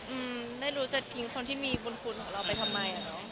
อืมไม่รู้จัดกิ๊งคนที่มีคุณคุณของเราไปทำไม